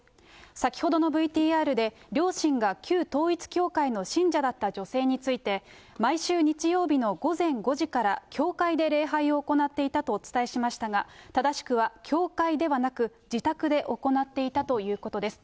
先ほどのＶＴＲで、両親が旧統一教会の信者だった女性について、毎週日曜日の午前５時から教会で礼拝を行っていたとお伝えしましたが、正しくは教会ではなく、自宅で行っていたということです。